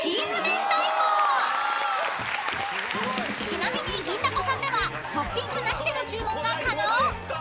［ちなみに銀だこさんではトッピングなしでの注文が可能］